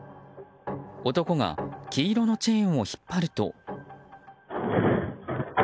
男が黄色のチェーンを引っ張ると。